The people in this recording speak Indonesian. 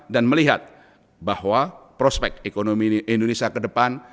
dan melihat bahwa prospek ekonomi indonesia ke depan